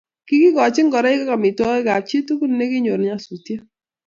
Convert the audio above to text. kikikochi ngoroi ak amitwakik kap chit tugu che kinyor nyasutiet